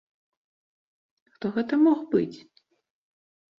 Хто гэта мог быць?